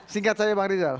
singkat saja bang rizal